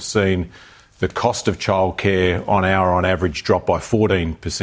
kami melihat harga perubahan kebijakan di awal awal empat belas